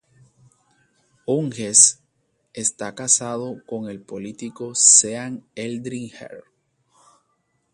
Hughes está casado con el político Sean Eldridge.